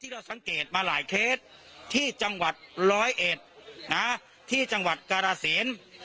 ได้ได้มาหลายเคสที่จังหวัดร้อยเอกดที่จังหวัดกะลาเสียน